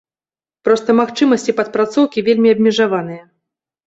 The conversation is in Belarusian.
Проста магчымасці падпрацоўкі вельмі абмежаваныя.